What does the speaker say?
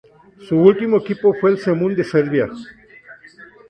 Su último equipo fue el Zemun de Serbia.